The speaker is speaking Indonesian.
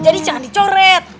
jadi jangan dicoret